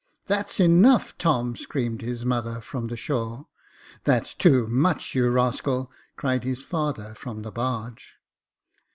" That's enough, Tom !" screamed his mother, from the shore. "That's too much, you rascal! " cried his father, from the barge.